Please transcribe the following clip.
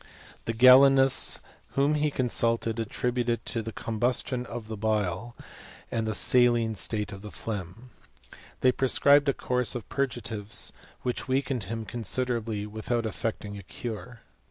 The Galenists whom he consulted, attributed it to the combustion of the bile, and the saline state of the phlegm. They prescribed a course of purgatives which weakened him considerably, without effecting a cure.